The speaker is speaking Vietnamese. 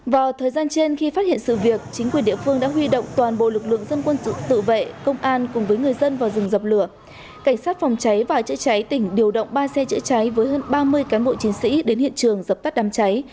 vào thời gian trên khi phát hiện sự việc chính quyền địa phương đã huy động toàn bộ lực lượng dân quân sự tự vệ công an cùng với người dân vào rừng dọc lửa